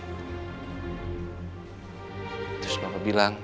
aku selalu gelisah dan gak bisa tidur viv